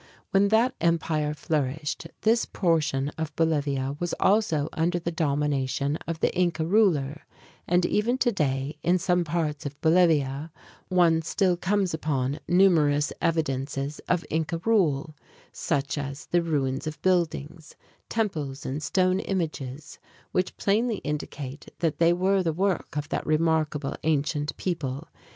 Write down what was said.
When that empire flourished, this portion of Bolivia was also under the domination of the Inca ruler; and even today, in some parts of Bolivia, one still comes upon numerous evidences of Inca rule, such as the ruins of buildings, temples and stone images, which plainly indicate that they were the work of that remarkable, ancient people.